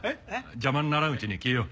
邪魔にならんうちに消えよう。